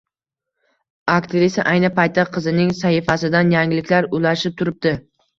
Aktrisa ayni paytda qizining sahifasidan yangiliklar ulashib turibdi